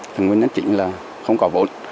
thì nguyên nhân chính là không có vốn